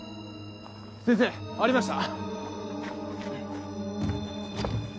先生ありました。